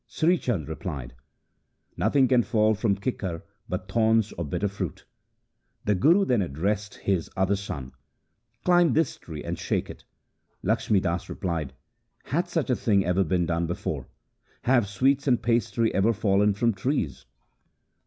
Sri Chand replied, ' Nothing can fall from kikar but thorns or bitter fruit.' The Guru then addressed his other son :' Climb this tree and shake it.' Lakhmi Das replied, ' Hath such a thing ever been done before ? Have sweets and pastry ever fallen from trees